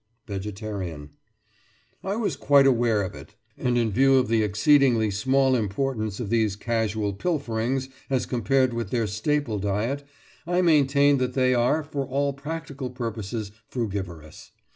VEGETARIAN: I was quite aware of it, and in view of the exceedingly small importance of these casual pilferings as compared with their staple diet, I maintain that they are, for all practical purposes, frugivorous.